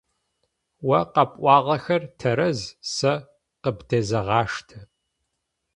О къэпӀуагъэхэр тэрэз, сэ къыбдесэгъаштэ.